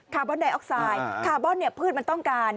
ร์บอนไดออกไซด์คาร์บอนเนี่ยพืชมันต้องการ